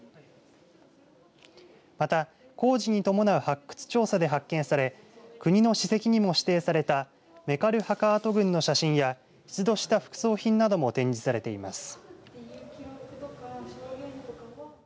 また工事に伴う発掘調査で発見され国の史跡にも指定された銘苅墓跡群の写真や出土した副葬品なども展示されています。